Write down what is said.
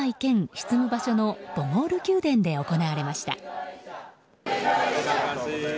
執務場所のボゴール宮殿で行われました。